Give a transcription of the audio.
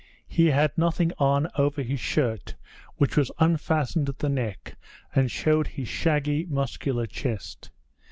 He had nothing on over his shirt, which was unfastened at the neck and showed his shaggy muscular chest.